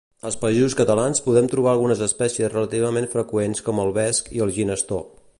Als Països Catalans poden trobar algunes espècies relativament freqüents com el vesc i el ginestó.